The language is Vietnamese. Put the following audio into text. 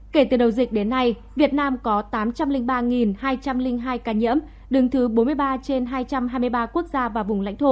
kể từ đầu dịch đến nay việt nam có tám trăm linh ba hai trăm linh hai ca nhiễm đứng thứ bốn mươi ba trên hai trăm hai mươi ba quốc gia và vùng lãnh thổ